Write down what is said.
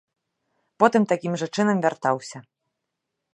Потым такім жа чынам вяртаўся.